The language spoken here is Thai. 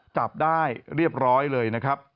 จับได้เรียบร้อยเลย